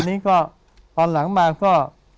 นี่ก็ตอนหลังมาก็